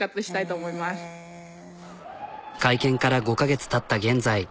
会見から５カ月たった現在。